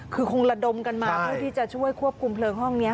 คือคงระดมกันมาเพื่อที่จะช่วยควบคุมเพลิงห้องนี้